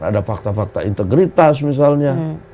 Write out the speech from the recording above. ada fakta fakta integritas misalnya